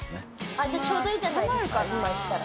じゃあちょうどいいじゃないですか今行ったら。